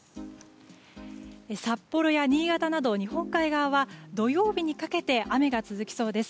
札幌や新潟など日本海側は土曜日にかけて雨が続きそうです。